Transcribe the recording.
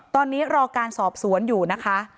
ตอนนี้รอการสอบสวนอยู่นะคะ